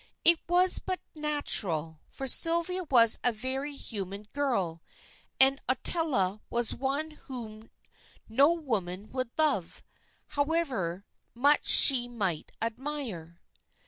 It was but natural, for Sylvia was a very human girl, and Ottila one whom no woman would love, however much she might admire.